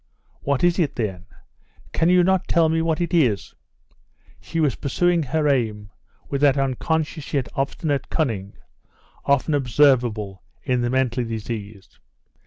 "What is it, then? Can you not tell me what it is?" She was pursuing her aim with that unconscious yet obstinate cunning often observable in the mentally diseased.